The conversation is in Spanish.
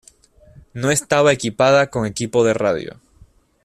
No estaba equipada con equipo de radio.